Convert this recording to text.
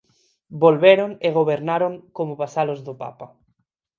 Volveron e gobernaron como vasalos do Papa.